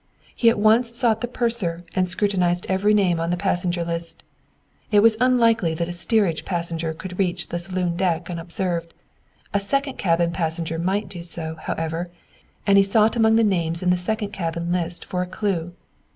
He at once sought the purser and scrutinized every name on the passenger list. It was unlikely that a steerage passenger could reach the saloon deck unobserved; a second cabin passenger might do so, however, and he sought among the names in the second cabin list for a clue.